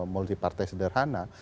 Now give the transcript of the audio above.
multi partai sederhana